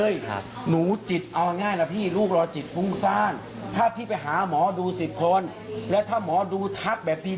อย่างหมูอยู่ค่ะ